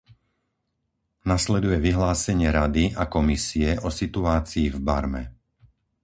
Nasleduje vyhlásenie Rady a Komisie o situácii v Barme.